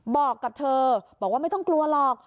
บอกกับเธอบอกว่าไม่ต้องกลัวหรอก